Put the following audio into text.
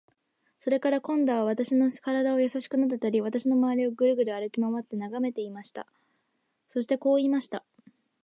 それから、今度は私の身体をやさしくなでたり、私のまわりをぐるぐる歩きまわって眺めていました。そしてこう言いました。